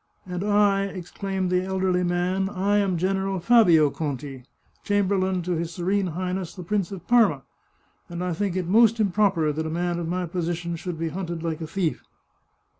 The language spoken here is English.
" And I," exclaimed the elderly man, " I am General Fabio Conti, Chamberlain to his Serene Highness the Prince of Parma, and I think it most improper that a man of my position should be hunted like a thief